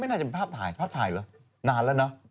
น่าจะเป็นภาพถ่ายภาพถ่ายเหรอนานแล้วเนอะ